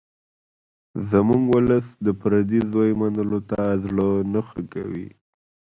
زموږ ولس د پردي زوی منلو ته زړه نه ښه کوي